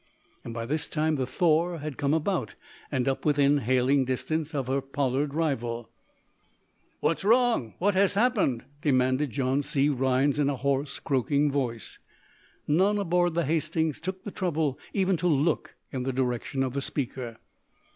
By this time the "Thor" had come about, and up within hailing distance of her Pollard rival. "What's wrong? What has happened?" demanded John C. Rhinds, in a hoarse, croaking voice. None aboard the "Hastings" took the trouble even to look in the direction of the speaker.